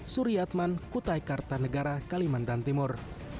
suri atman kutai karta negara kalimantan timur